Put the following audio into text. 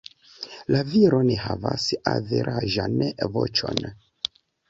La viro ne havis averaĝan voĉon.